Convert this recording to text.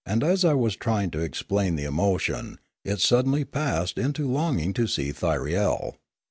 As I was trying to explain the emotion, it suddenly passed Discoveries 303 into longing to see Thyriel.